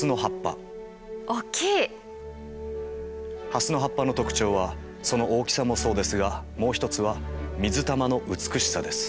ハスの葉っぱの特徴はその大きさもそうですがもう一つは水玉の美しさです。